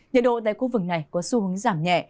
nhiệt độ tại khu vực này có xu hướng giảm nhẹ